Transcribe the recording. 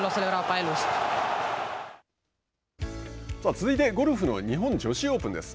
続いてゴルフの日本女子オープンです。